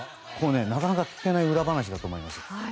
なかなか聞けない裏話だと思います。